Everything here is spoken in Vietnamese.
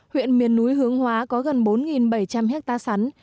huyện miền núi hướng hóa có gần bốn bảy trăm linh hectare sắn